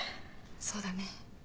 そうだね。